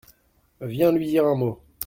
Viens lui dire un mot.